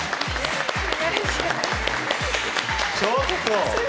ちょっと！